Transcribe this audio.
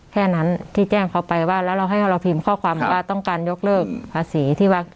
แค่นั้นที่แจ้งเขาไปว่าแล้วเราให้เราพิมพ์ข้อความบอกว่าต้องการยกเลิกภาษีที่ว่า